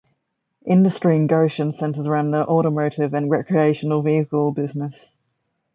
Industry in Goshen centers around the automotive and Recreational Vehicle business.